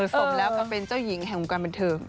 สมแล้วกับเป็นเจ้าหญิงแห่งวงการบันเทิง